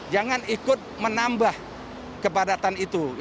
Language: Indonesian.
jangan ikut menambah kepadatan itu